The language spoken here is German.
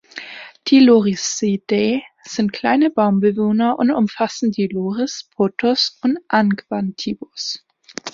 Die Lorisidae sind kleine Baumbewohner und umfassen die Loris, Pottos und Angwantibos.